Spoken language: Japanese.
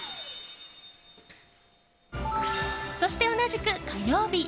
そして同じく火曜日。